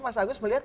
mas agus melihat